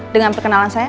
dengan perkenalan saya